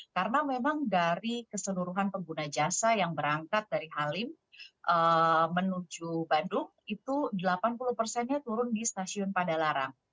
karena memang dari keseluruhan pengguna jasa yang berangkat dari halim menuju bandung itu delapan puluh nya turun di stasiun padalarang